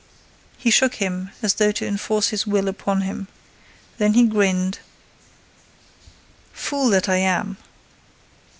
He shook him as though to enforce his will upon him. Then he grinned: "Fool that I am!